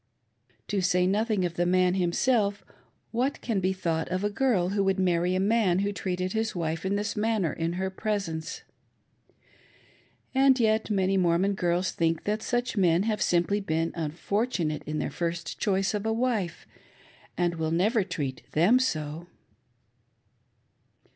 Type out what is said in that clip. To say nothing of the man himself, what can be thought of a girl who would marry a man who treated his wife in this manner in her presence? And yet many Mormon girls think that such men have simply been unfortunate in their first choice of a wife, and will never treat them so.